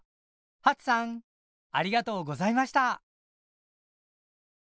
はつさんありがとうございました。